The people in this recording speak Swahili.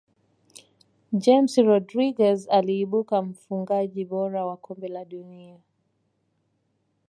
james rodriguez aliibuka mfungaji bora wa kombe la dunia